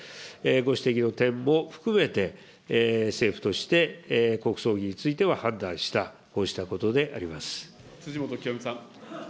ご指摘の点も含めて、政府として国葬儀については判断した、こう辻元清美さん。